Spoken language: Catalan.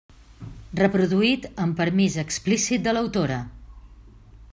Reproduït amb permís explícit de l'autora.